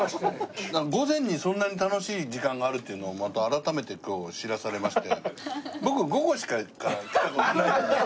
午前にそんなに楽しい時間があるっていうのをまた改めて今日知らされまして。